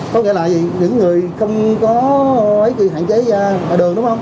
có nghĩa là những người không có hạn chế ra ngoài đường đúng không